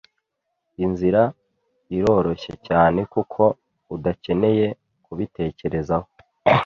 Inzira iroroshye cyane, kuko udakeneye kubitekerezaho.